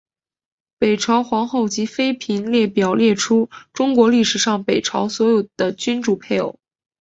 北朝皇后及妃嫔列表列出中国历史上北朝所有的君主配偶。